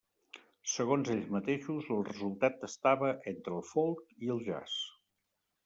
Segons ells mateixos, el resultat estava entre el folk i el jazz.